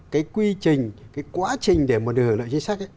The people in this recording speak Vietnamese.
cái quy trình cái quá trình để mà đề hưởng lại chính sách